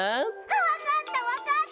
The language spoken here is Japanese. わかったわかった！